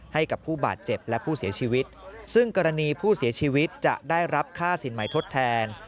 ให้กับผู้บาดเจ็บและผู้เสียชีวิตซึ่งกรณีผู้เสียชีวิตจะได้รับค่าสินใหม่ทดแทน